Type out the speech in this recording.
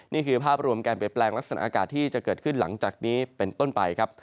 นี่คือภาพรวมการเปลี่ยนแปลงลักษณะอากาศที่จะเกิดขึ้นหลังจากนี้เป็นต้นไปครับ